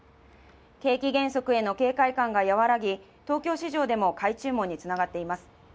景気減速への警戒感が和らぎ、東京市場でも買い注文に繋がっています。